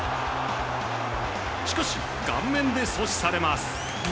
しかし、顔面で阻止されます。